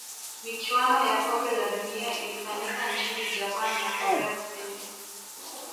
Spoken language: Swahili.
michuano ya kombe la dunia ilifanyika nchini japan na korea kusini